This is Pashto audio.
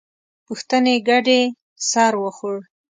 پوښتنې ګډې سر وخوړ.